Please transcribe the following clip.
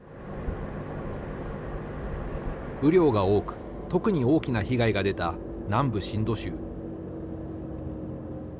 雨量が多く特に大きな被害が出た南部シンド州。